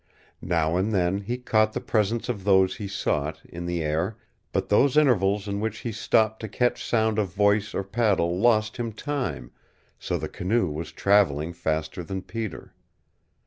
Now and then he caught the presence of those he sought, in the air, but those intervals in which he stopped to catch sound of voice or paddle lost him time, so the canoe was traveling faster than Peter.